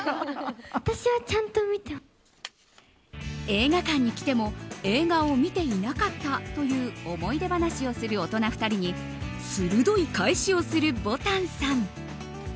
映画館に来ても映画を見ていなかったという思い出話をする大人２人に鋭い返しをするぼたんさん。